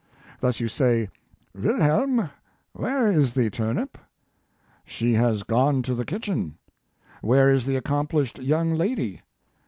Thus you say: "Wilhelm, where is the turnip ?" She has gone to the kitchen/ " Where is the accomplished young lady